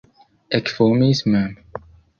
Ekfumis mem.